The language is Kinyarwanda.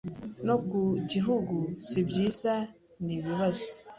no ku gihugu sibyiza nibibazo